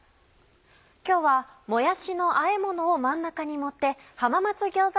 今日はもやしのあえものを真ん中に盛って浜松餃子